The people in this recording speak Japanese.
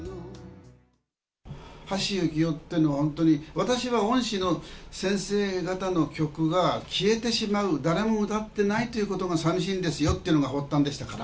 橋幸夫っていうのは本当に、私は恩師の先生方の曲が消えてしまう、誰も歌ってないことがさみしいんですよっていうのが発端でしたから。